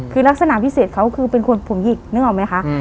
คือลักษณะพิเศษเขาคือเป็นคนผมหยิกนึกออกไหมคะ